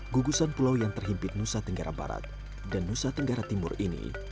gugusan pulau yang terhimpit nusa tenggara barat dan nusa tenggara timur ini